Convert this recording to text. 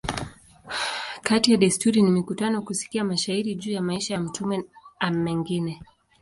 Kati ya desturi ni mikutano, kusikia mashairi juu ya maisha ya mtume a mengine.